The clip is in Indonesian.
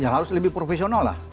ya harus lebih profesional lah